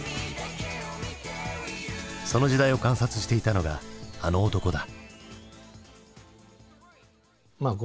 その時代を観察していたのがあの男だ。